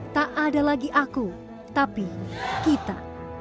tak ada lagi aku tapi kita